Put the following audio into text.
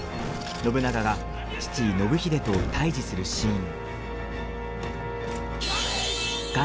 信長が父、信秀と対じするシーン。